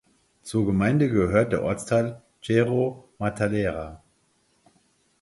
Zur Gemeinde gehört der Ortsteil "Cerro Matallera".